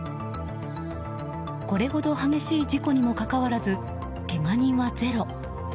これほど激しい事故にもかかわらずけが人はゼロ。